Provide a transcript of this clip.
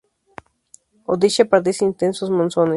Odisha padece intensos monzones.